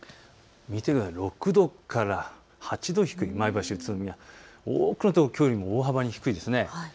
６度から８度低い前橋、宇都宮、多くの所きょうよりも大幅に低いです。